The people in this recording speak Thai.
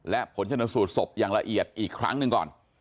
และผลชนสูตรศพอย่างละเอียดอีกครั้งหนึ่งก่อน